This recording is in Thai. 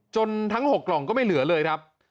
ทั้ง๖กล่องก็ไม่เหลือเลยครับ